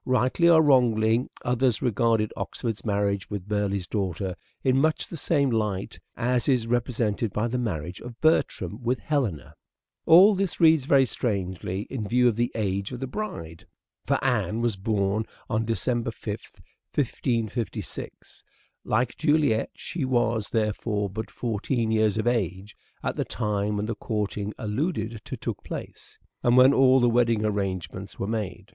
Rightly or wrongly others ^regarded Oxford's marriage with Burleigh's daughter in much the same EARLY MANHOOD OF EDWARD DE VERE 255 light as is represented by the marriage of Bertram with Helena. All this reads very strangely in view of the age of the bride : for Anne was born on December 5th, 1556. Like Juliet she was, therefore, but fourteen juiiet. years of age at the time when the courting alluded to took place, and when all the wedding arrangements were made.